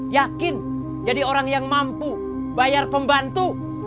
yakin jadi orang yang mampu bayar pembantu